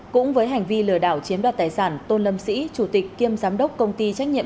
cũng với hành vi lừa đảo chiếm đoạt tài sản tôn lâm sĩ chủ tịch kiêm giám đốc công ty trách nhiệm